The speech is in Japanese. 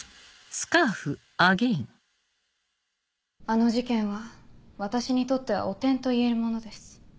あの事件は私にとっては汚点と言えるものです。